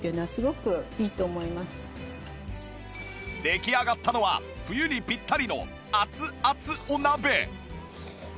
出来上がったのは冬にピッタリの熱々お鍋